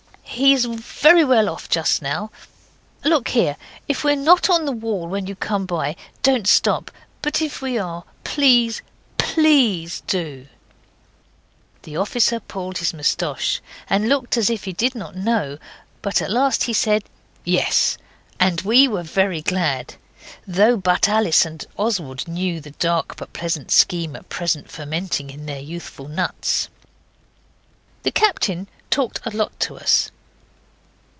He is very well off just now. Look here if we're not on the wall when you come by, don't stop; but if we are, please, PLEASE do!' The officer pulled his moustache and looked as if he did not know; but at last he said 'Yes', and we were very glad, though but Alice and Oswald knew the dark but pleasant scheme at present fermenting in their youthful nuts. The captain talked a lot to us.